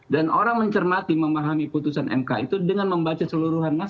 dan orang mencermati memahami putusan mk itu dengan membaca seluruhan naskah